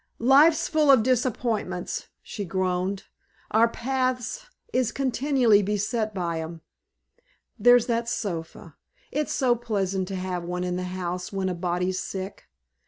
"Life's full of disappointments," she groaned. "Our paths is continually beset by 'em. There's that sofa! It's so pleasant to have one in the house when a body's sick.